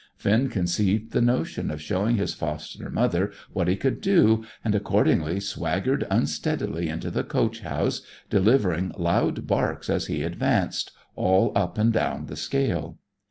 Finn conceived the notion of showing his foster mother what he could do, and accordingly swaggered unsteadily into the coach house, delivering loud barks as he advanced, all up and down the scale.